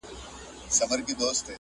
جانان پاته پر وطن زه یې پرېښودم یوازي؛